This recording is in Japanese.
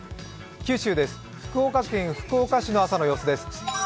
九州です、福岡県福岡市の朝の様子です。